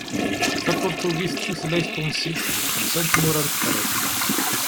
Tapurtugit d tutlayt tunṣibt deg xemsa n tmura n Tefriqt.